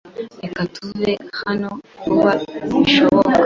Reka tuve hano vuba bishoboka.